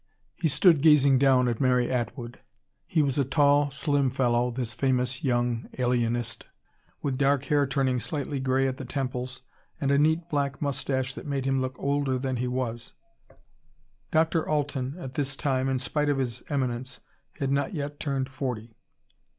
He stood gazing down at Mary Atwood. He was a tall, slim fellow, this famous young alienist, with dark hair turning slightly grey at the temples and a neat black mustache that made him look older than he was. Dr. Alten at this time, in spite of his eminence, had not yet turned forty.